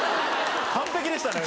完璧でしたね。